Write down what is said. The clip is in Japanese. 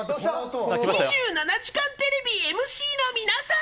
２７時間テレビＭＣの皆さん